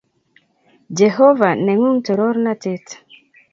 Jehovah neng’ung’ torornatet